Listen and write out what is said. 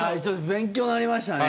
勉強になりましたね。